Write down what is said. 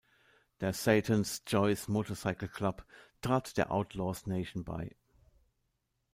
Der „Satan’s Choice Motorcycle Club“ trat der Outlaws Nation bei.